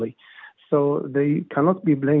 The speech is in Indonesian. jadi mereka tidak bisa